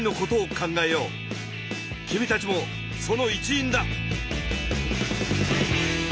君たちもその一員だ！